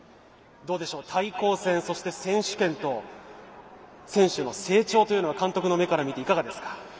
対抗戦、そして選手権と選手の成長というのは監督の目から見ていかがですか。